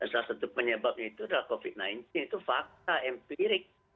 dan salah satu penyebabnya itu adalah covid sembilan belas itu fakta empirik